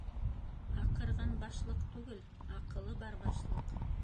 Аҡырған башлыҡ түгел, аҡылы бар башлыҡ.